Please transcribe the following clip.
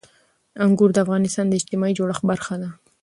انګور د افغانستان د اجتماعي جوړښت برخه ده.